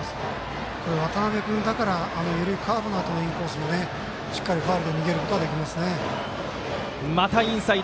これ渡邊君だから緩いカーブのあとのインコースもしっかりファウルで逃げることができますね。